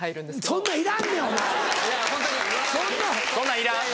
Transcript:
そんなん。